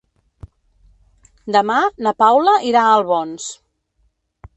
Demà na Paula irà a Albons.